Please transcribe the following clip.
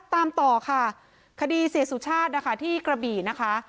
ตามต่อค่ะคดีเสียสุชาตินะคะที่กระบี่นะคะ